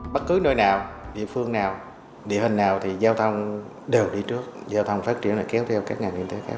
bất cứ nơi nào địa phương nào địa hình nào thì giao thông đều đi trước giao thông phát triển là kéo theo các ngành kinh tế khác